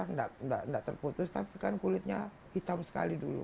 tidak terputus tapi kan kulitnya hitam sekali dulu